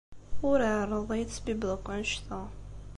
Ur ɛerreḍ ad iyi-tesbibbeḍ akk aya.